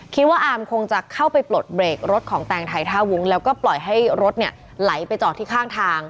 อามคงจะเข้าไปปลดเบรกรถของแตงไทยท่าวุ้งแล้วก็ปล่อยให้รถเนี่ยไหลไปจอดที่ข้างทาง